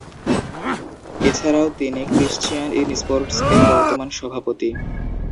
এছাড়াও তিনি "Christian in sports" এর বর্তমান সভাপতি।